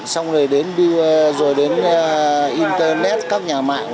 xong rồi đến internet các nhà mạng